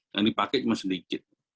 dan dipakai cuma sedikit